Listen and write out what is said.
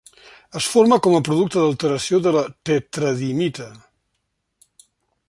Es forma com a producte d'alteració de la tetradimita.